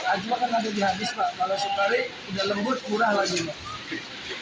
acua kan ada di hadis pak